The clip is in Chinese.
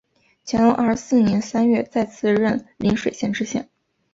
乾隆二十四年三月再次任邻水县知县。